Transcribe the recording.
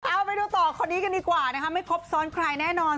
เอาไปดูต่อคนนี้กันดีกว่านะคะไม่ครบซ้อนใครแน่นอน